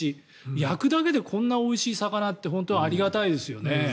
焼くだけでこんなおいしい魚って本当、ありがたいですよね。